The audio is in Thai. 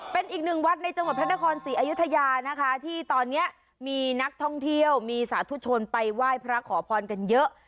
เป็นอีกหนึ่งวัดในจังหวัดพระนครศรีอยุธยานะคะที่ตอนนี้มีนักท่องเที่ยวมีสาธุชนไปไหว้พระขอพรกันเยอะ